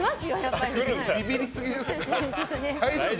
ビビりすぎですよ。